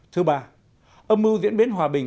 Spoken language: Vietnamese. thứ ba âm mưu diễn biến hòa bình